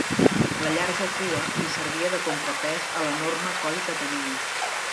La llarga cua li servia de contrapès a l'enorme coll que tenia.